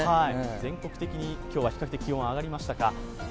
全国的に比較的気温が上がりましたか。